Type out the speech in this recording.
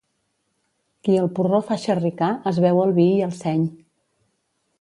Qui el porró fa xerricar es beu el vi i el seny.